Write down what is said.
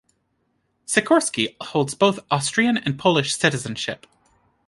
Sikorski holds both Austrian and Polish citizenship.